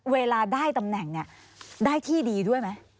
เวลาได้ตำแหน่งเนี่ยได้ที่ดีด้วยไหม